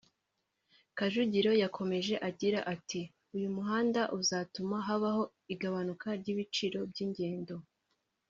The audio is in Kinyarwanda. Kajugiro yakomeje agira ati ”Uyu muhanda uzatuma habaho igabanuka ry’ibiciro by’ingendo